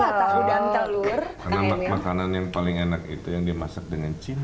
makanan yang paling enak itu yang dimasak dengan cina aduh makanan yang paling enak itu yang dimasak dengan cina